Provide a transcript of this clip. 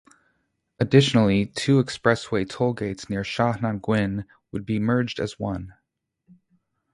Additionally, two expressway toll gates near Shanhaiguan would be merged as one.